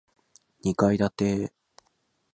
二階建て